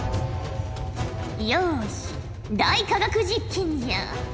よし大科学実験じゃ！